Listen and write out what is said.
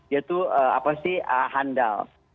yaitu apa sih handal